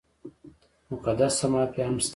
مقدسه مافیا هم شته ده.